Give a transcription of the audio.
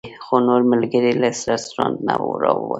خو نور ملګري له رسټورانټ نه راووتل.